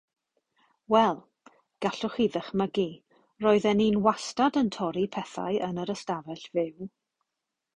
Wel, gallwch chi ddychmygu, roedden ni'n wastad yn torri pethau yn yr ystafell fyw.